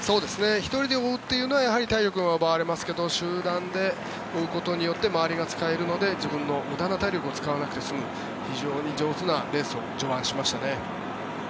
１人で追うというのは体力が奪われますけど集団で追うことによって周りが使えるので自分の無駄な体力を使わなくて済む非常に上手なレースを序盤はしましたね。